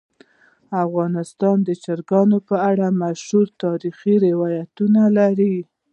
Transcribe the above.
افغانستان د چرګان په اړه مشهور تاریخی روایتونه لري.